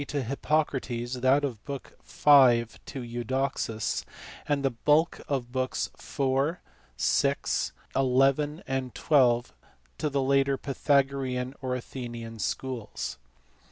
to Hippocrates; that of book v. to Eudoxus; and the bulk of books iv., vi., XL, and xu. to the later Pythagorean or Athenian schools.